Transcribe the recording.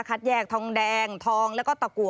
แยกทองแดงทองแล้วก็ตะกัว